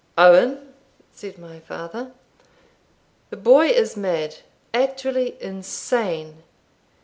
"Owen!" said my father "The boy is mad actually insane.